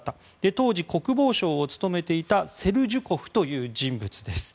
当時、国防相を務めていたセルジュコフという人物です。